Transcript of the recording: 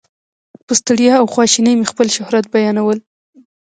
په ستړیا او خواشینۍ مې خپل شهرت بیانول.